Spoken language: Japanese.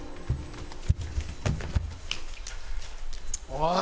おい！